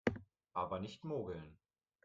Aber nicht mogeln!